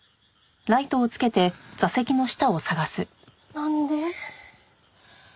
なんで？